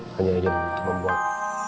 hanya dia membuat